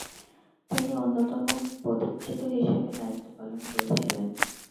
তিনি অন্যতম পথিকৃৎ হিসেবে দায়িত্ব পালন করেছিলেন।